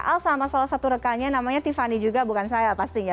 al sama salah satu rekannya namanya tiffany juga bukan saya pastinya